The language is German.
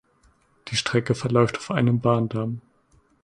Die Strecke verläuft auf einem Bahndamm.